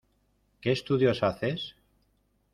¿Qué estudios haces?